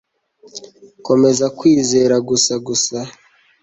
komeza kwizera gusa gusa